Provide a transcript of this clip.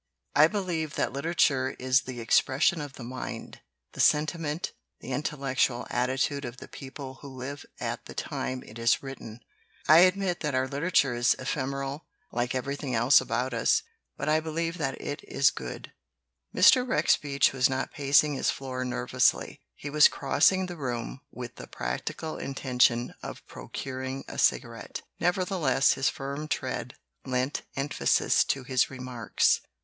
I believe that literature is the expression of the mind, the sentiment, the intellectual atti tude of the people who live at the time it is writ ten. I admit that our literature is ephemeral 66 "MOVIES" BENEFIT LITERATURE like everything else about us but I believe that it is good." Mr. Rex Beach was not pacing his floor ner vously; he was crossing the room with the practi cal intention of procuring a cigarette. Neverthe less, his firm tread lent emphasis to his remarks.